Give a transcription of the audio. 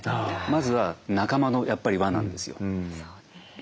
まずは仲間のやっぱり輪なんですよ。